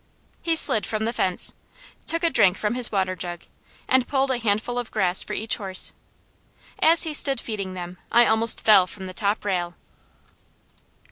He slid from the fence, took a drink from his water jug, and pulled a handful of grass for each horse. As he stood feeding them, I almost fell from the top rail.